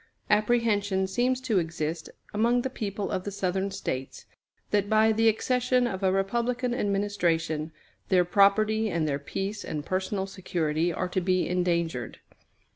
Apprehension seems to exist among the people of the Southern States, that, by the accession of a Republican administration, their property and their peace and personal security are to be endangered.